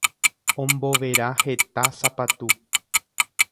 Ombovera heta sapatu.